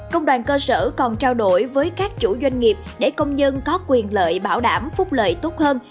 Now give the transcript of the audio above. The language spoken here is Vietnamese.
công đoàn cơ sở còn trao đổi với các chủ doanh nghiệp để công nhân có quyền lợi bảo đảm phúc lợi tốt hơn